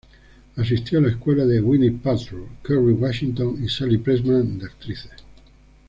Asistió a la escuela de Gwyneth Paltrow, "Kerry Washington" y "Sally Pressman" de actrices.